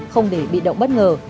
không để bị động bất ngờ